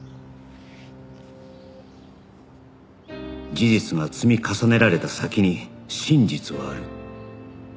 事実が積み重ねられた先に真実はある